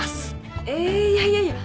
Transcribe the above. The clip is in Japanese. えいやいやいや。